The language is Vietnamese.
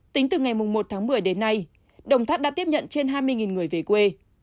tính từ ngày một tháng một mươi đến nay đồng tháp đã tiếp nhận trên hai mươi người về quê